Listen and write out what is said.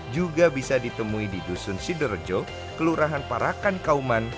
juga bisa ditemui di dusun sidorejo kelurahan parakan kauman